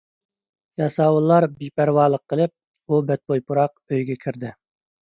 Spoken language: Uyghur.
ياساۋۇللار بىپەرۋالىق قىلىپ، ئۇ بەتبۇي پۇراق ئۆيگە كىردى.